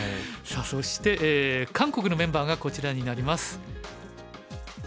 さあそして韓国のメンバーがこちらになります。